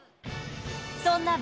そんなＢ